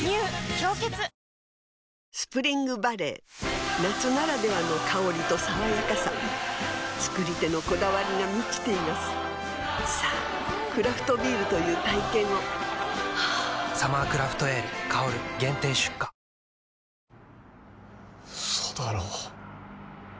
「氷結」スプリングバレー夏ならではの香りと爽やかさ造り手のこだわりが満ちていますさぁクラフトビールという体験を「サマークラフトエール香」限定出荷嘘だろ。